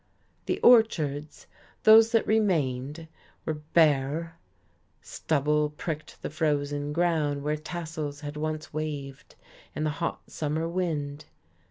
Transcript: The orchards those that remained were bare; stubble pricked the frozen ground where tassels had once waved in the hot, summer wind.